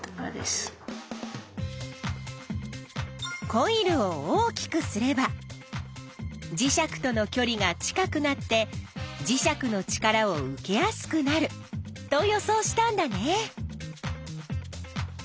コイルを大きくすれば磁石とのきょりが近くなって磁石の力を受けやすくなると予想したんだね。